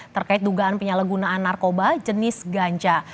terkait dugaan penyalahgunaan narkoba jenis ganja